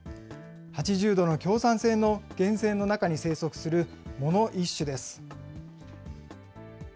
８０度の強酸性の源泉の中に生息する藻の一種です。